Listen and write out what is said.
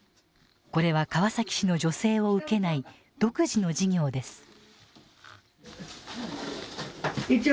これは川崎市の助成を受けない独自の事業です。